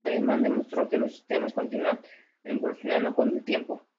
Lehman demostró que los sistemas continúan evolucionando con el tiempo.